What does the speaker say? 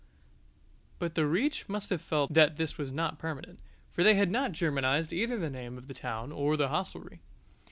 But the Reich must have felt that this was not permanent, for they had not Germanized either the name of the town or of the hostelry.